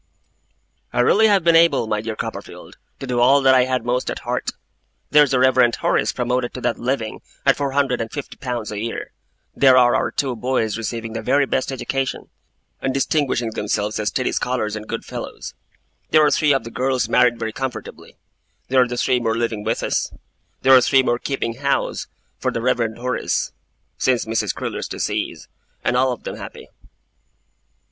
'I really have been able, my dear Copperfield, to do all that I had most at heart. There's the Reverend Horace promoted to that living at four hundred and fifty pounds a year; there are our two boys receiving the very best education, and distinguishing themselves as steady scholars and good fellows; there are three of the girls married very comfortably; there are three more living with us; there are three more keeping house for the Reverend Horace since Mrs. Crewler's decease; and all of them happy.